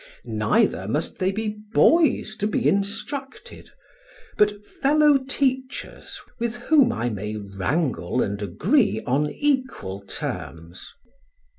Neither must they be boys to be instructed, but fellow teachers with whom I may, wrangle and agree on equal terms.